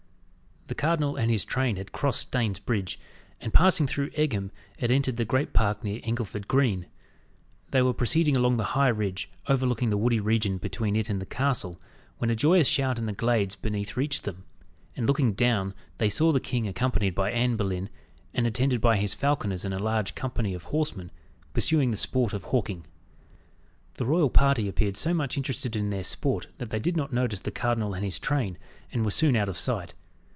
The cardinal and his train had crossed Staines Bridge, and passing through Egham, had entered the great park near Englefield Green. They were proceeding along the high ridge overlooking the woody region between it and the castle, when a joyous shout in the glades beneath reached them, and looking down, they saw the king accompanied by Anne Boleyn, and attended by his falconers and a large company of horsemen, pursuing the sport of hawking. The royal party appeared so much interested in their sport that they did not notice the cardinal and his train, and were soon out of sight.